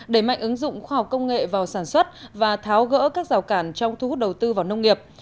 đẩy mạnh ứng dụng khoa học công nghệ vào sản xuất và tháo gỡ các rào cản trong thu hút đầu tư vào nông nghiệp